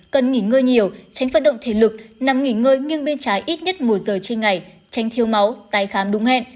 cần nghỉ ngơi nhiều tránh vận động thể lực nằm nghỉ ngơi nghiêng bên trái ít nhất một giờ trên ngày tránh thiếu máu tái khám đúng hẹn